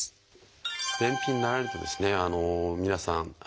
便秘になられると皆さん